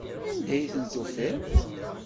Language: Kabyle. Anda i tent-tufiḍ?